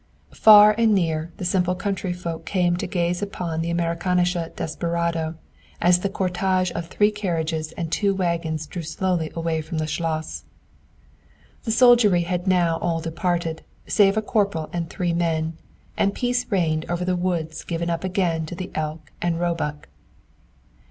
Far and near, the simple country folk came to gaze upon the "Amerikanische" desperado, as the cortege of three carriages and two wagons drew slowly away from the schloss. The soldiery had now all departed, save a corporal and three men, and peace reigned over the woods given up again to the elk and roebuck.